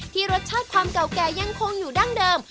รสชาติความเก่าแก่ยังคงอยู่ดั้งเดิม